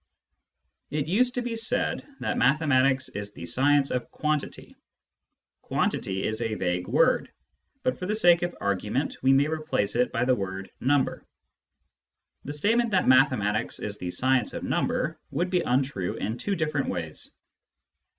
It used to be said that mathematics is the science of " quantity." " Quantity " is a vague word, but for the sake of argument we may replace it by the word " number." The statement that mathematics is the science of number would be untrue in two different ways.